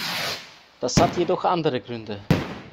Das hat jedoch andere Gründe.